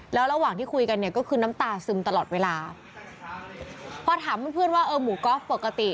แล้วระหว่างที่คุยกันเนี่ยก็คือน้ำตาซึมตลอดเวลาพอถามเพื่อนเพื่อนว่าเออหมูก๊อฟปกติ